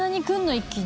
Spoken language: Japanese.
一気に。